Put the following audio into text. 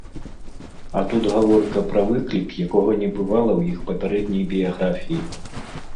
А тут гаворка пра выклік, якога не бывала ў іх папярэдняй біяграфіі.